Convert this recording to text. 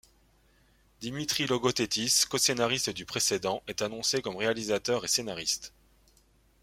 Dimitri Logothetis, coscénariste du précédent, est annoncé comme réalisateur et scénariste.